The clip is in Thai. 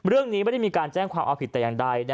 เรื่องนี้ไม่ได้มีการแจ้งความเอาผิดแต่อย่างใด